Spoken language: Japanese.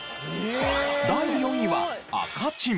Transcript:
第４位は赤チン。